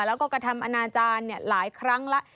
แล้วก็กระทำอนาจารย์หลายครั้งแล้ว